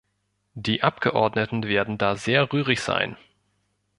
Die Abgeordneten werden da sehr rührig sein.